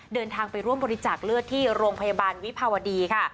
เดินทางไปร่วมบริจาคเลือดที่โรงพยาบาลวิภาวดีค่ะ